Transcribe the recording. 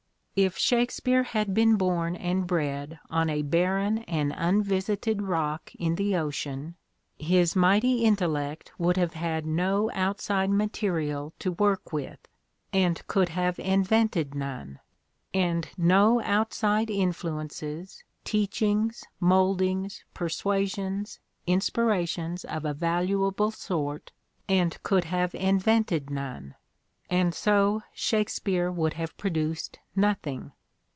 "If Shakespeare had been born and bred on a barren and unvisited rock in the ocean his mighty intellect would have had no outside material to work with, and could have invented none; and no outside influences, teachings, moldings, persuasions, inspirations of a valuable sort, and could have invented none; and so Shakespeare would have produced nothing.